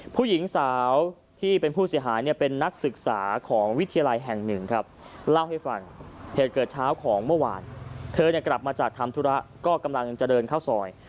ผู้หญิงสาวที่เป็นผู้เสียหายเนี่ยเป็นนักศึกษาของวิทยาลัยแห่งหนึ่งครับเล่าให้ฟังเหตุเกิดเช้าของเมื่อวานเธอเนี่ยกลับมาจากทำธุระก็กำลังจะเดินเข้าซอย